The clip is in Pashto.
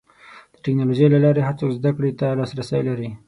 د ټکنالوجۍ له لارې هر څوک زدهکړې ته لاسرسی لري.